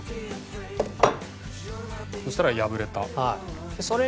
そしたら破れた。